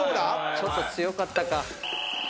ちょっと強かったか。